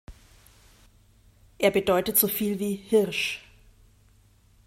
Er bedeutet so viel wie „Hirsch“.